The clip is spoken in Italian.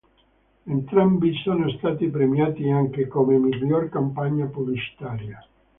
Entrambi sono stati premiati anche come miglior campagna pubblicitaria.